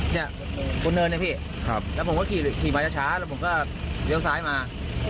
เนี่ยคนเนินนะพี่แล้วผมก็ขี่มาช้าแล้วผมก็เลี้ยวซ้ายมา